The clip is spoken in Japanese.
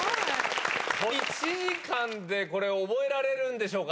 １時間でこれを覚えられるんでしょうか。